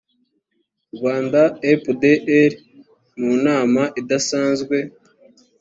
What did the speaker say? rwanda epdr mu nama idasanzwe